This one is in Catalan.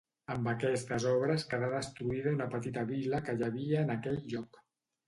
Amb aquestes obres quedà destruïda una petita vila que hi havia en aquell lloc.